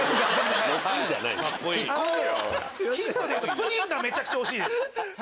プリンめちゃくちゃ惜しいです。